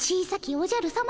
おじゃるさま。